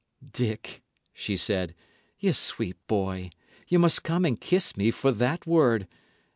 "Dick," she said, "ye sweet boy, ye must come and kiss me for that word.